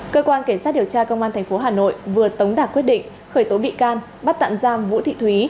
cơ quan cảnh sát điều tra công an tp hà nội vừa tống đạt quyết định khởi tố bị can bắt tạm giam vũ thị thúy